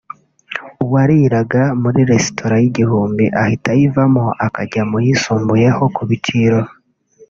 uwariraga muri resitora y’igihumbi ahita ayivamo akajya mu yisumbuyeho ku biciro